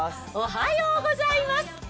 おはようございます。